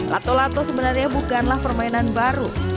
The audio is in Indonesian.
lato lato sebenarnya bukanlah permainan baru